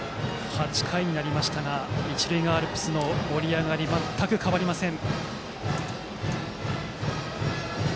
８回になりましたが一塁側アルプスの盛り上がりは全く変わりません。